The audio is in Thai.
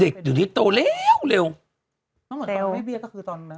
เด็กอยู่นี้โตแล้วเร็วเหมือนตอนแม่เบี้ยก็คือตอน